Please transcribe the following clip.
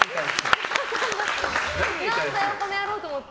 何だよ、この野郎と思って。